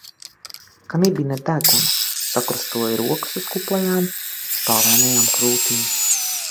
Knibina degunu, sakrustoja rokas uz kuplajām, spalvainajām krūtīm.